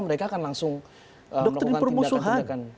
mereka akan langsung melakukan tindakan tindakan